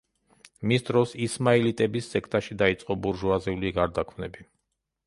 მის დროს ისმაილიტების სექტაში დაიწყო ბურჟუაზიული გარდაქმნები.